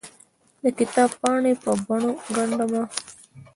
دکتاب پاڼې په بڼو ګنډ مه